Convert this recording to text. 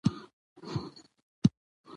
کورنۍ غړي د یو بل نظریات په غور اوري